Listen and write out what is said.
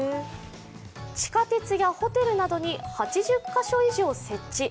地下鉄やホテルなどに８０か所以上設置。